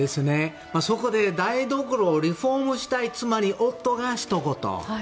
そこで台所をリフォームしたい妻に夫がひと言。